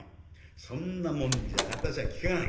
「そんなもんじゃ私は効かない」。